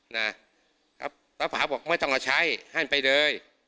ตาผาบอกไม่ต้องเอาใช้ให้ไปเลย